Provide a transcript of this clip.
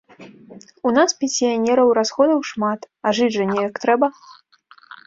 У нас, пенсіянераў, расходаў шмат, а жыць жа неяк трэба.